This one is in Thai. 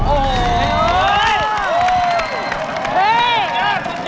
โอ๊ย